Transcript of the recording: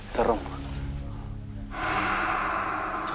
sementara kayaknya biasa